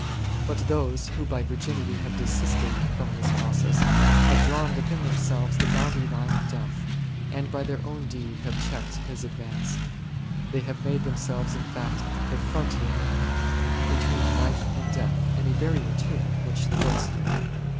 But those who by virginity have desisted from this process have drawn within themselves the boundary line of death, and by their own deed have checked his advance ; they have made themselves, in fact, a frontier between life and death, and a barrier too, which thwarts him.